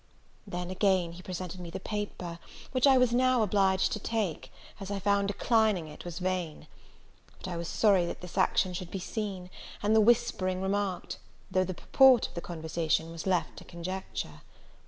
Then again he presented me the paper, which I now was obliged to take, as I found declining it was vain. But I was sorry that this action should be seen, and the whispering remarked, though the purport of the conversation was left to conjecture.